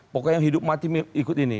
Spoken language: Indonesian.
pokoknya yang hidup mati ikut ini